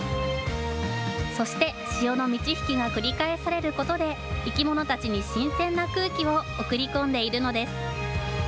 そして、潮の満ち干きが繰り返されることで生き物たちに新鮮な空気を送り込んでいるのです。